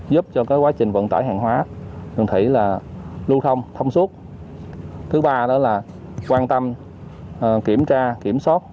giúp cho quá trình vận tải hàng hóa đường thủy là lưu thông thông suốt thứ ba đó là quan tâm kiểm tra kiểm soát